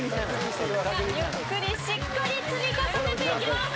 ゆっくりしっかり積み重ねていきます。